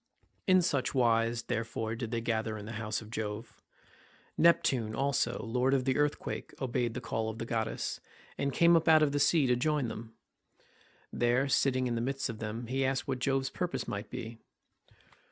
In such wise, therefore, did they gather in the house of Jove. Neptune also, lord of the earthquake, obeyed the call of the goddess, and came up out of the sea to join them. There, sitting in the midst of them, he asked what Jove's purpose might be.